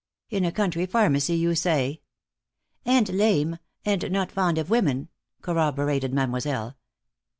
In a country pharmacy, you say?" "And lame, and not fond of women," corroborated Mademoiselle.